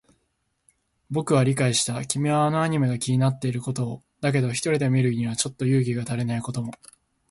僕は理解した。君はあのアニメが気になっていることを。だけど、一人で見るにはちょっと勇気が足りないことも。